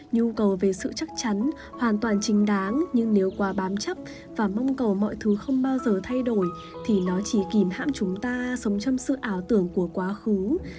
nhu cầu về sự chắc chắn hoàn toàn chính đáng nhưng nếu quá bám chắc và mong cầu mọi thứ không bao giờ thay đổi thì nó chỉ kìm hãm chúng ta sống trong sự ảo tưởng của quá khứ